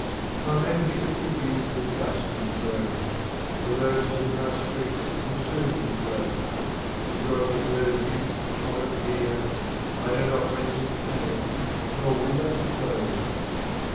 My Manuscript of Youth has dusty grown. The Roses of My Spring will soon be blown, The joyful Bird of Youth that hovered near,— I know not Whence it came, nor ^N'hither tlown.